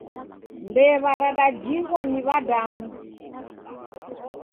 Mbew'a radajighwa ni w'adamu